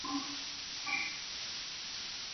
其多生活于浅海滩涂以及河口咸淡水或淡水中。